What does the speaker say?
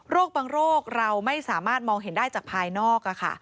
บางโรคเราไม่สามารถมองเห็นได้จากภายนอก